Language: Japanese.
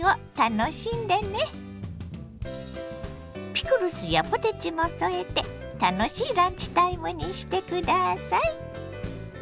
ピクルスやポテチも添えて楽しいランチタイムにしてください。